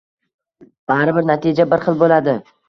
Baribir natija bir xil boʻladi